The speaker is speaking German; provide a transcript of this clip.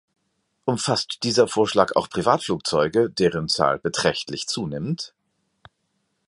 Umfasst dieser Vorschlag auch Privatflugzeuge, deren Zahl beträchtlich zunimmt?